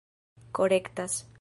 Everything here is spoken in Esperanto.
korektas